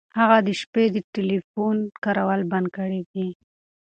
هغه د شپې د ټیلیفون کارول بند کړي دي.